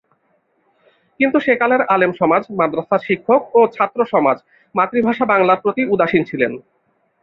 কিন্তু সেকালের আলেমসমাজ, মাদ্রাসার শিক্ষক ও ছাত্রসমাজ মাতৃভাষা বাংলার প্রতি উদাসীন ছিলেন।